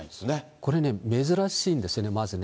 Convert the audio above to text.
これね、珍しいんですよね、まずね。